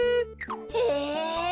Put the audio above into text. へえ。